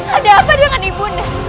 ada apa dengan ibu nda